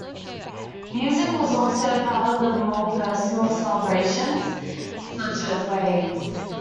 Music was also a part of more personal celebrations such as weddings.